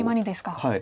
はい。